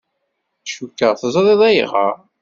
Cukkeɣ teẓriḍ ayɣer.